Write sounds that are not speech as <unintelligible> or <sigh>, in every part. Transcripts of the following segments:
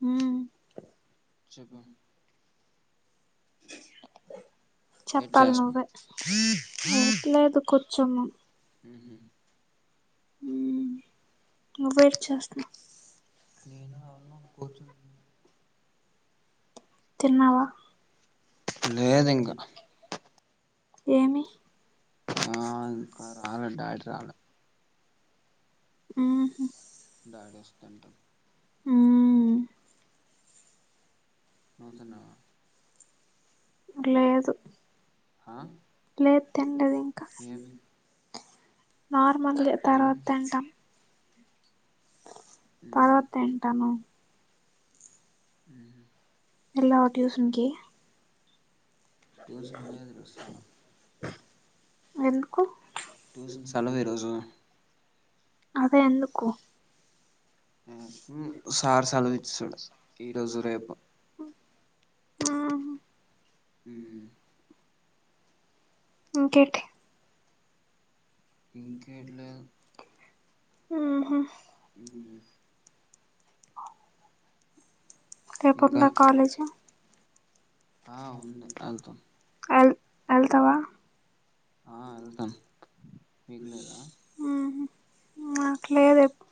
మ్ చెపు ఏటి చెప్పాల్ చేస్తున్నావ్ నువ్వే ఎట్ లేదు కుర్ చునమ్ ఉహు హ్మ్ నువేట్ చేస్తనవ్ నేనా అవున్నాను కూర్చున్నాను తిన్నావ లేద్ ఇంక ఏమి హాఁ ఇంకా రాలె డాడ్ రాలె హుమ్ డాడోస్తండు హ్మ్మ్ నువ్ తినవా లేదు హా తిం డాది ఏమి నార్ మల్లె ఏమి తర్వాత్ తింటామ్ తర్ ఉహు వాత్ తింటను ఉహు ఎళ్ళవా టుషన్ కి టూషన్ లేద్ రోజ్ సెలవ్ ఎందుకు ట్యూషన్ సెలవ్ ఈ రోజు అదె ఎందుకు ఎ హుమ్ సార్ సెలవిచ్ సడ్ ఈరోజు రేపు అహ్ ఉమ్ ఇంకేటి ఇంకేట్లేదు ఊహు ఉమ్ ఇంకా రేపుందా కాలేజు ఆ ఉంది ఎళ్త ఎళ్తవా ఆ ఎళ్తం ఊహు నాక్ లేద్ ప్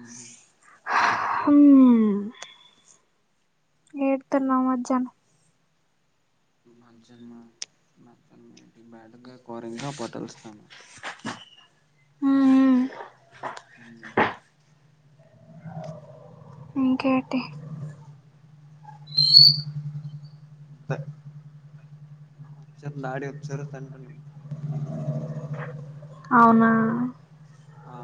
ఊహు ఉమ్ పెడ్తున్న మధ్యానం మజ్యన్మా మజ్యానమేంటి బ్యాటుగా గోరింక పటలొస్తానో ఊ ఉ ఉం ఇంకేటి తే ఒచ్చర్ డాడి ఒచ్చరు తండ నిం అవునా ఆ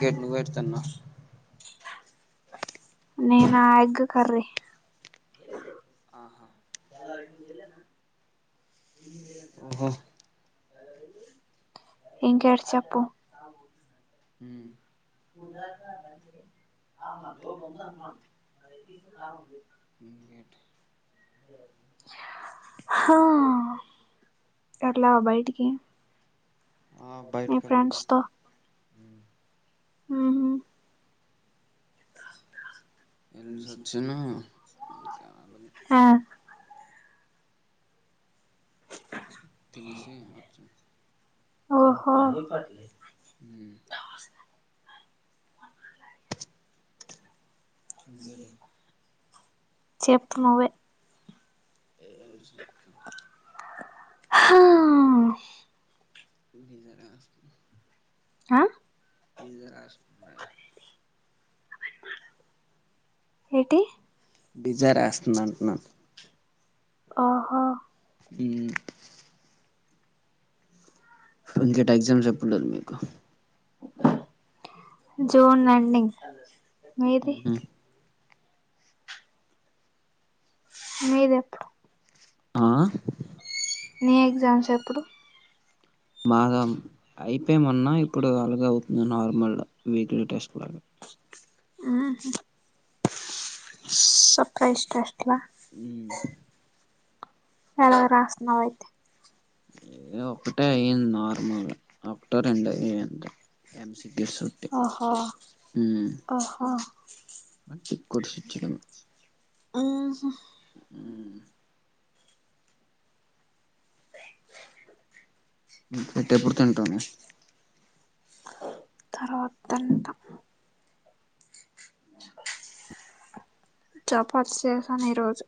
గెట్ నువేటి తిన్నావ్ నేనా ఎగ్గ్ కర్రీ ఆహ ఓహొ ఇంకేటీ చెప్పు ఊమ్ ఉదా క మంచిదే ఆవునా కోపందా <unintelligible> అదు గేట్ హా గట్ల బైటికి ని ఫ్రెండ్స్తో ఊ ఊహు వెళ్ళసి వచ్చాను ఇంకా అలాగే ఆ తినేసి వచ్చాను ఒహో ఊ ఇంకేటే చెప్ నువ్వె ఏటి చెప్తా హా ఉ <unintelligible> అ మీదె రాష్త్ <unintelligible> ఎటి డిజారేస్తున్నంట్నాన్ ఆహా <unintelligible> ఎగ్జామ్స్ <unintelligible> మీకు జూన్ ఎన్డింగ్ మీది మీదెప్పుడు ఆ నీ ఎగ్జామ్స్ ఎప్పుడు మాగం ఐపే మొన్న ఇప్పుడు అలగవ్ నార్మల్ వీక్లీ టెస్ట్ లాగ హ్మ్ హు సప్రైస్టా హ్మ్ ఎలా రాస్నావ్ అయితే ఇ ఒకటే అయ్యింద్ నార్మల్గా ఒక్టో రెండొ ఐనయ్ అంతె ఎమ్స్ గిసుత్తే ఓహో హ్మ్ ఓహో మట్టి కుర్షిచ్చిడ హ్మ్ హు హ్మ్ పెట్టేప్పుడు తింటానే తర్వాథింటా చపాత్ సేశాన్ ఈరోజు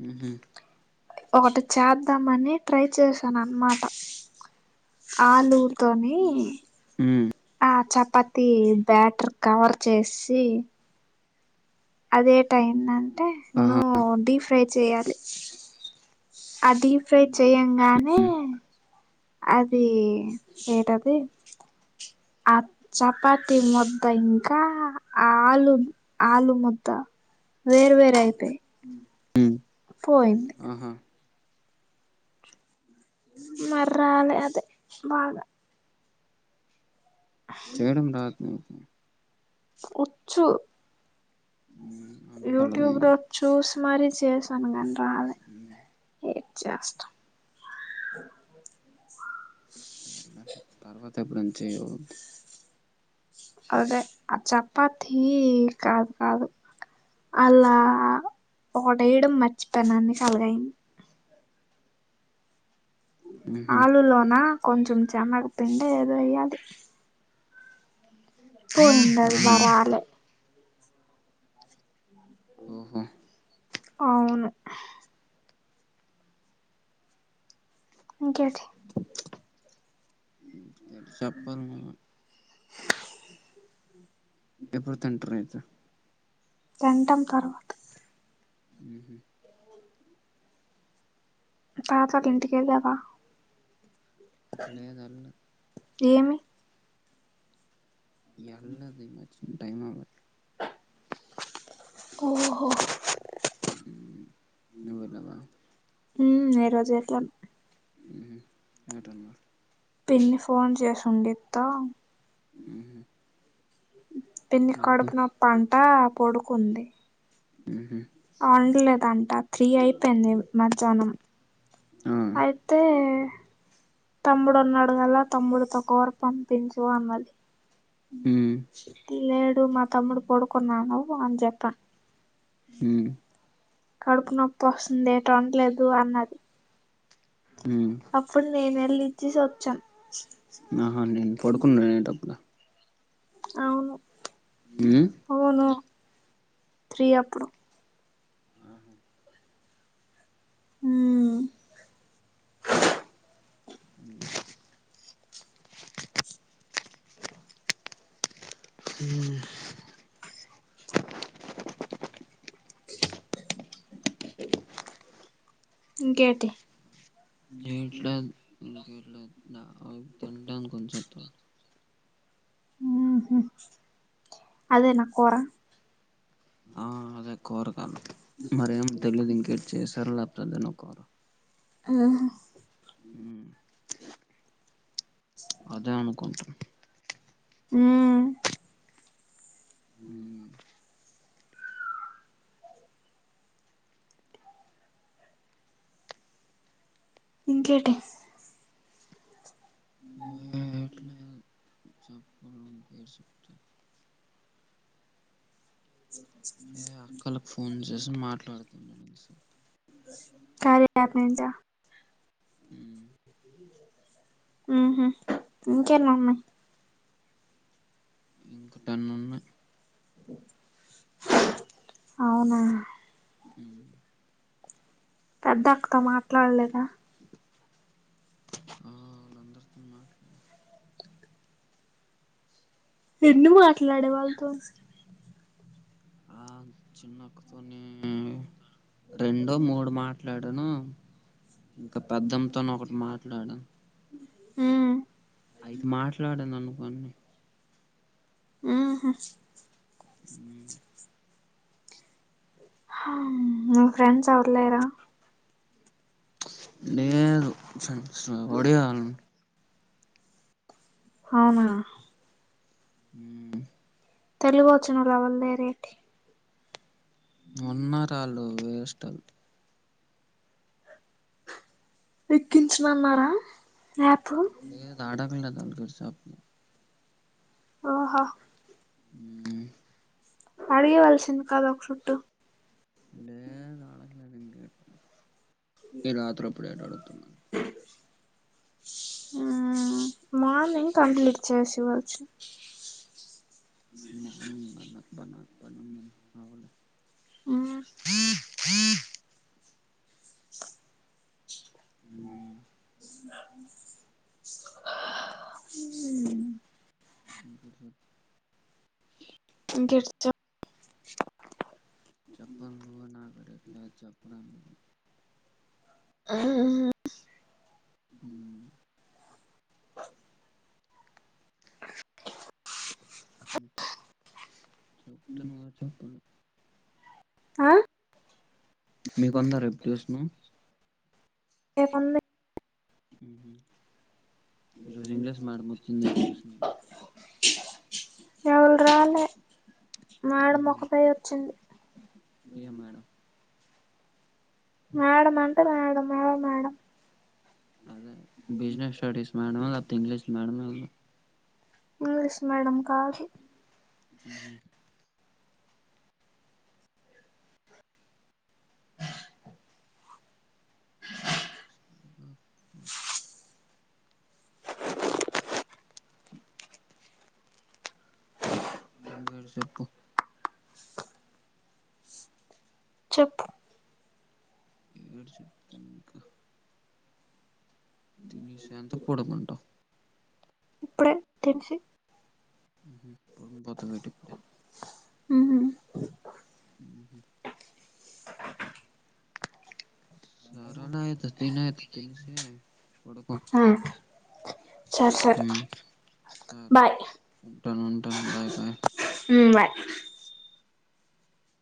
హ్మ్ హు ఒకటి చేద్దామని ట్రై చేశాన్ అన్మాట ఆలూల్తోని ఆ చపాతి బ్యాటర్ కవర్ చేసీ అదేటైందంటే ఆహా నువ్ డీ ఫ్రై చేయాలి ఆ డీ ఫ్రై చెయ్యంగానే అదీ ఏటది ఆ చపాతి ముద్ద ఇంకా ఆలు ఆలు ముద్ద వేరు వేర్ ఐతయ్ పోయింది ఆహా మర్రాలె అదె బాగా చేయడం రాదు నీకు ఉచ్చు అందుకే యూటూబ్లో అలదైంది చూస్ మరి చేసాన్ గన్ హ్మ్ చేస్తా నాకు తర్వాత ఎప్పుడన్న చెయ్యుద్ అదె ఆ చప్పత్తి కాద్ కాదు అలా ఒకటేయడం మర్చిపోయన్ అన్ని సళ్లగయిన్ ఆలులోన కొంచెం చనగ పిండో ఏదో ఎయ్యాలి పోయిందది ఆహా బా రాలే హ్మ్ హు ఔను ఇంకేటి <unintelligible> ఏటి సెప్పాల్ మల్లా ఎప్పుడు తింటర్ ఐతే తింటాం తర్వాత హ్మ్ హు తాతోళ్ళ ఇంటికెళ్లావ లేద్ అల్ యేమి ఎల్లేద్ ఈమధ్యన్ టైమవ్ ఓహొ నువ్వు వెళ్ళవా హ్మ్ ఏ రోజు ఎట్లన్ హ్మ్ ఏటన్నా పిన్ని ఫోన్ చేసుండిత్తా హ హ్మ్ పిన్నికి కడుపునొప్పంట పొడుకుంది ఉహు వండలేదంట త్రీ అయిపోయింది మజ్యాహ్నం ఆ అయితే తమ్ముడున్నాడు వల తమ్ముడుతో కూర పంపించు అన్నది ఉ లేడు మా తమ్ముడు పడుకున్నాడు అని చెప్పా హ్మ్ కడుపు నొప్పోస్తుంది ఎటో లెగు అన్నది ఉ అప్పుడు నేను ఎళ్ళి ఇచ్చిసి వచ్చా ఆహా నేను పడుకున్నానెంటప్పుడు అవును హ్మ్ ఉమ్ అవును త్రీ అప్పుడు ఆహా హ్మ్ బ్లాంక్ హ్మ్మ్ ఇంకేటి ఎట్లేదు ఇంకెట్లే తింటాను కొంచెపు తర్వాత ఉహు అదే నా కోర ఆ అదే కోరగలు మరేం తెలీదు ఇంకేటి చేసారు లే దనేను కూర ఆహ ఉమ్ అదే అనుకుంటుంటే హ్మ్ ఉమ్ ఇంకేటి ఇంకెట్లే చెప్పాలి నువ్వే బ్లాంక్ జెస్సి మాట్లాడుతున్నా కార్య యాప్ నుంచా హ్మ్ ఉహు ఇంకేని ఉన్నాయి ఇంకటెన్ను ఉన్నయి బ్లాంక్ అవునా ఉమ్ పెద్దక్కతో మాట్లాడలేదా ఆ అందరితో మాట్లాడ ఎందుకు మాట్లాడావు వాళ్ళతోని ఆ చిన్నక్కతోని రెండో మూడు మాట్లాడాను ఇంకా పెద్దమ్మతోన ఒకటి మాట్లాడ హ్మ్ అయితే మాట్లాడను అనుకోని ఉహ్ హ్మ్ హమ్ మీ ఫ్రెండ్స్ ఎవరు లేరా లేదు స సోడియాలు అవునా మ్ తెలుగు వచ్చినోళ్ళు ఎవల్ లేరా ఏటి ఉన్నా రాళ్ళు వేస్టల్ ఎక్కించనన్నారా యాపు <unintelligible> ఒహ ఉమ్మ్ అడిగేవలసింది కద ఒక సుట్టూ లేదు అడగలేదు ఇంకేటి ఈ రాత్రపుడు యేటాడుగుతన ఆహ్ మార్నింగ్ కంప్లీట్ చేసివచ్చు మార్నింగ్ మన బన పనుందని అవలే మ్మ్ ఉ ఉమ్ ఇంకేటీ చెప్ ఇంకేటి చెప్ చెప్పాలి నువ్వే నాకు రేపు లేదు చెప్పడానికి అహ్ హ్ చెప్తున్నావ్ గద చెప్పను అహ్ మీకుందా రేపు ట్యూషనూ రెపుంది ఉహు ఈ రోజు ఇంగ్లీష్ మాడం ఒచ్చింది ఏటి ట్యూషన్ కి ఎవళ్ రాలే మ్యాయ డం ఒకతె ఒచ్చింది ఏ మేడం మేడం అంటే మేడం ఎ మేడం అదే బిజినెస్ స్టడీస్ మెడమో లెపోతే ఇంగ్లీష్ మేడమో ఎల్ద్ ఇంగ్లీష్ మేడం కాదు ఉహు ఇంకా యేటి సెప్పు చెప్పు యేటి సెప్తేనే ఇంకా తినేషంతా పడుకుంటావ్ ఇప్పుడే తిన్షి ఉహు <unintelligible> ఎటిప్పుడే ఉహు సరేలె ఐతే తినైతే తినేసి పడకో ఆ సరే సరే బాయ్ టన్ ఉంటన్ బయ్ బయ్ ఉమ్ బాయ్